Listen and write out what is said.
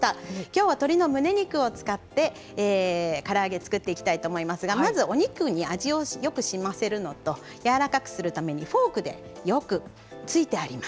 今日は鶏のむね肉を使ってから揚げ作っていきたいと思いますがまずお肉に味をよくしませるのとやわらかくするためにフォークでよく突いてあります。